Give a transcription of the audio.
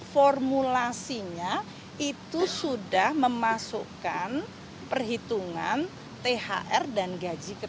formulasinya itu sudah memasukkan perhitungan thr dan gaji ke tiga belas